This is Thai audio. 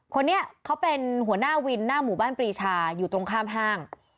คนนี้เขาเป็นหัวหน้าวินหน้าหมู่บ้านปรีชาอยู่ตรงข้ามห้าง